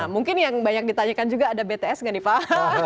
mungkin yang banyak ditanyakan juga ada bts nggak nih pak